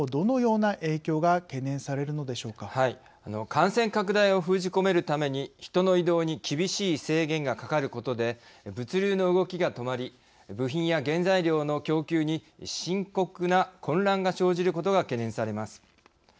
感染拡大を封じ込めるために人の移動に厳しい制限がかかることで物流の動きが止まり部品や原材料の供給に深刻な混乱が生じることが懸念されます。